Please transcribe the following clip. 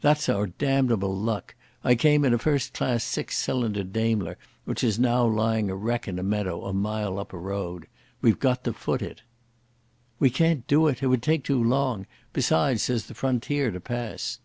"That's our damnable luck. I came in a first class six cylinder Daimler, which is now lying a wreck in a meadow a mile up the road. We've got to foot it." "We can't do it. It would take too long. Besides, there's the frontier to pass."